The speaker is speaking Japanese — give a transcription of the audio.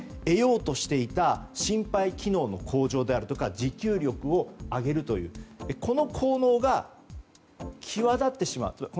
得ようとしていた心肺機能の向上であるとか持久力を上げるというこの効能が際立ってしまう。